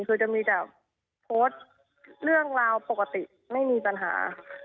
คือจะมีแต่โพสต์เรื่องราวปกติไม่มีปัญหา